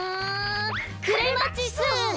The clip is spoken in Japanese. クレマチス！